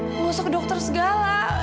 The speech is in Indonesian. nggak usah ke dokter segala